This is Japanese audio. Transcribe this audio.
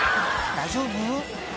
大丈夫？